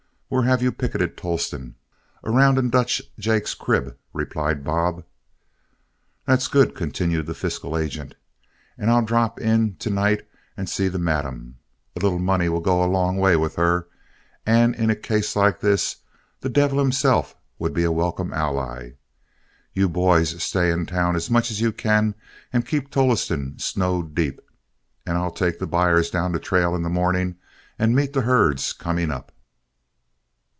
Where have you picketed Tolleston?" "Around in Dutch Jake's crib," replied Bob. "That's good," continued the fiscal agent, "and I'll just drop in to night and see the madam. A little money will go a long way with her, and in a case like this, the devil himself would be a welcome ally. You boys stay in town as much as you can and keep Tolleston snowed deep, and I'll take the buyers down the trail in the morning and meet the herds coming up."